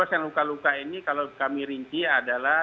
yang luka luka ini kalau kami rinci adalah